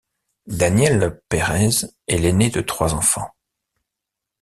Danielle Perez est l'aîné de trois enfants.